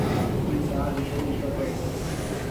اي چآرج ڪونيٚ ڪر رو ڇي۔